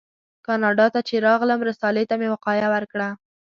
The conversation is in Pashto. کاناډا ته چې راغلم رسالې ته مې وقایه ورکړه.